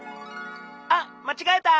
あっまちがえた。